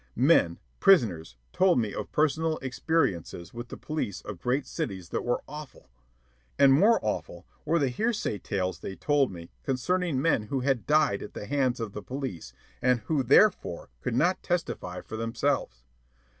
Men, prisoners, told me of personal experiences with the police of great cities that were awful. And more awful were the hearsay tales they told me concerning men who had died at the hands of the police and who therefore could not testify for themselves.